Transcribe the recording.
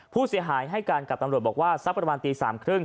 ผู้เสียหายให้การกับตำรวจบอกว่าสักประมาณตี๓๓๐